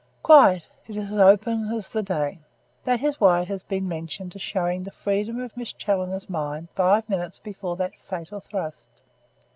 "Quite so. It is as open as the day. That is why it has been mentioned as showing the freedom of Miss Challoner's mind five minutes before that fatal thrust."